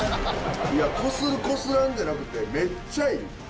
いや、こする、こすらんでなくて、めっちゃいい！